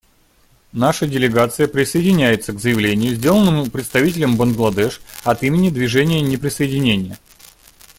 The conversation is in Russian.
Наша делегация присоединяется к заявлению, сделанному представителем Бангладеш от имени Движения неприсоединения.